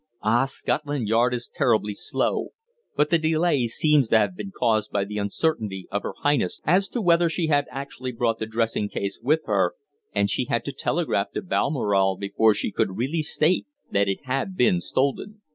Ah! Scotland Yard is terribly slow. But the delay seems to have been caused by the uncertainty of Her Highness as to whether she had actually brought the dressing case with her, and she had to telegraph to Balmoral before she could really state that it had been stolen."